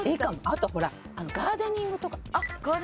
あとほらガーデニングとか。